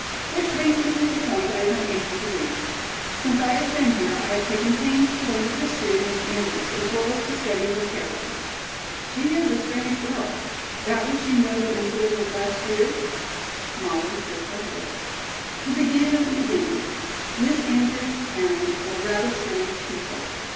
"Which brings me to the point I have been aiming to reach. Since I have been here I have taken pains to learn the history of Miss Andrews as well as to study her character. She is a strange girl. Doubtless you know the incident of last year?" Molly shook her head. "To begin at the beginning: Miss Andrews' parents were rather strange people.